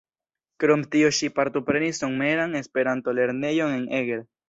Krom tio ŝi partoprenis Someran Esperanto-lernejon en Eger.